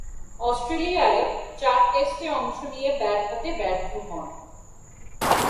অস্ট্রেলিয়ায় চার টেস্টে অংশ নিয়ে ব্যাট হাতে ব্যর্থ হন।